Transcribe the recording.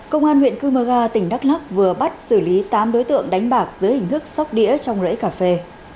công an huyện cư mơ ga tỉnh đắk lắc vừa bắt xử lý tám đối tượng đánh bạc dưới hình thức sóc đĩa trong rẫy cà phê